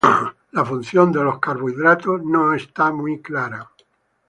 La función de los carbohidratos no es muy clara.